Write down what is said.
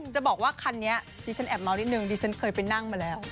จะบอกว่าคันนี้ดิฉันแอบเมาส์นิดนึงดิฉันเคยไปนั่งมาแล้ว